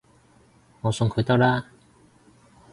我送佢得喇